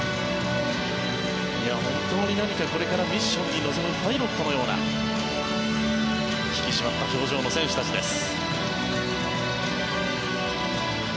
本当に何かこれからミッションに臨むパイロットのような引き締まった表情の選手たちです。